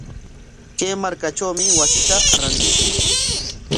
Kay markatrawmi wasita rantishun.